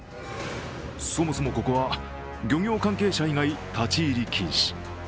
そもそもここは漁業関係者以外立ち入り禁止。